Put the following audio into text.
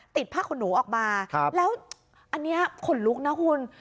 ผ้าขนหนูออกมาแล้วอันนี้ขนลุกนะคุณ